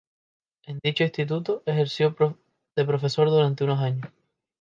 En dicho instituto ejerció de profesor durante unos años.